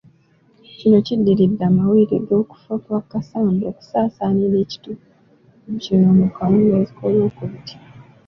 Kino kiddiridde amawulire g'okufa kwa Kasamba okusaasaanira ekitundu kino mu kawungeezi k'Olwookubiri.